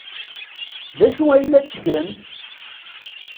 D acu ay la ttgen?